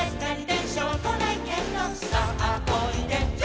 「さあおいで」